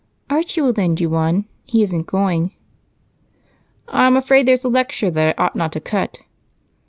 "Archie will lend you one he isn't going." "I'm afraid there's a lecture that I ought not to cut."